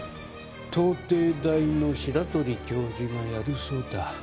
東帝大の白鳥教授がやるそうだ。